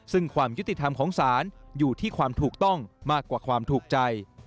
ซึ่งความยุติธรรมของศาลอยู่ที่ความถูกต้องมากกว่าความถูกใจ